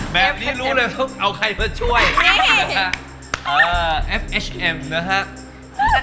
แบบนี้รู้เลยต้องเอาใครเพื่อช่วย